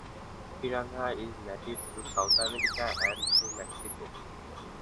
"Piranhea" is native to South America and to Mexico.